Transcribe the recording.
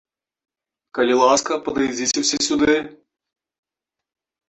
Калі ласка, падыдзіце ўсе сюды!